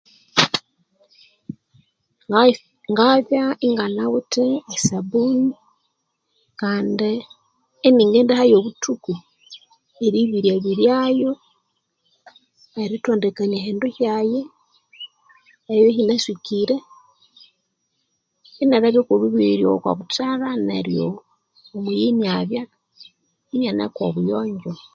Ngaa ngabya inganawethi esabuni kandi ini ngendihayo obuthuku eribiryabiryayo erithondekania ebindu byaghe eribya ehinaswekire neribirya okwabuthalha kandi omuyi inabya inanekobuyonjo